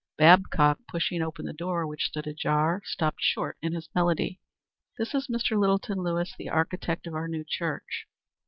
Babcock, pushing open the door, which stood ajar, stopped short in his melody. "This is Mr. Littleton, Lewis. The architect of our new church."